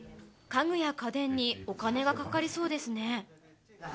家具や家電にお金がかかりそうですね。